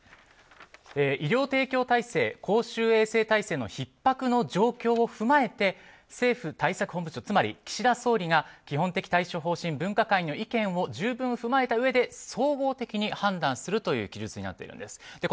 医療提供体制、公衆衛生体制のひっ迫の状況を踏まえて政府対策本部長つまり岸田総理が基本的対処方針分科会の意見を十分踏まえたうえで総合的に判断するという記述になっているんです。